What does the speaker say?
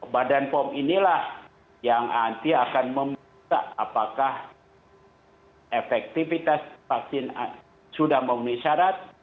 badan pom inilah yang nanti akan membuka apakah efektifitas vaksin sudah memenuhi syarat